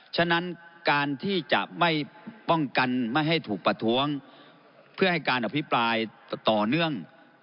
ฉะนั้นการที่จะไม่ป้องกันไม่ให้ถูกประท้วงเพื่อให้การอภิปรายต่อเนื่อง